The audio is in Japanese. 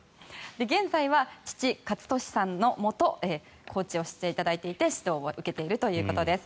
現在は父・健智さんのもとコーチをしていただいていて指導を受けているということです。